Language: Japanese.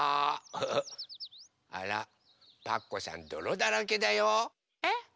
あらパクこさんどろだらけだよ。えっ？